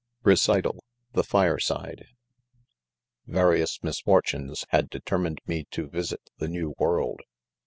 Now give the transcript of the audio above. R E C 1 T A L THE FIRESIDE, Various misfortunes had determined me to visit the new world.